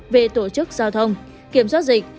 về tổ chức giao thông kiểm soát dịch